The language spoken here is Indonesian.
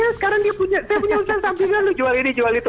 ya sekarang dia punya usaha sampingan jual ini jual itu